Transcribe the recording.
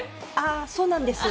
そうなんです。